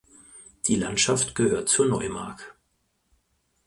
Die Landschaft gehört zur Neumark.